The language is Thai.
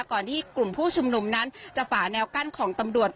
ก่อนที่กลุ่มผู้ชุมนุมนั้นจะฝาแนวกั้นของตำรวจ